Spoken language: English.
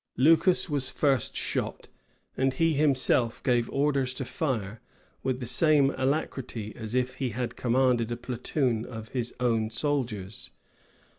Lucas was first shot; and he himself gave orders to fire, with the same alacrity as if he had commanded a platoon of his own soldiers.